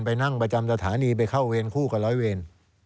ไปนั่งประจำสถานีไปเข้าเวรคู่กับร้อยเวร